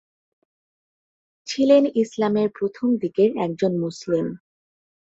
ছিলেন ইসলামের প্রথম দিকের একজন মুসলিম।